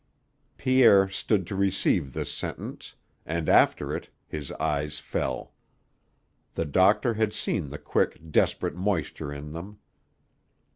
Pierre stood to receive this sentence, and after it, his eyes fell. The doctor had seen the quick, desperate moisture in them.